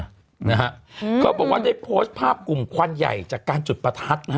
นะฮะก็บอกว่าได้โพสต์ภาพกลุ่มควันใหญ่จากการจุดประทัดนะฮะ